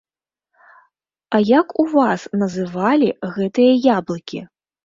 А як у вас называлі гэтыя яблыкі?